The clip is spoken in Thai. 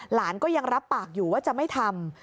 หลานก็ยังรับปากอยู่ว่าจะไม่ทำ